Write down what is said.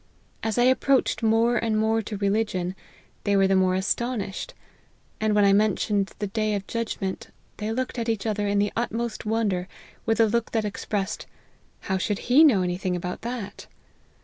As I approached more and more to religion, they were the more astonished ; and when I mentioned the day of judgment, they looked at each other in the utmost wonder, with a look that expressed, ' how should he know any thing about that